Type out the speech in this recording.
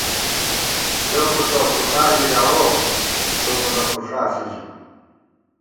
ژَہ فُݭہ فُݭا ژِی گاوَہ ، څو مونہ فُݭا ݪی ژَہ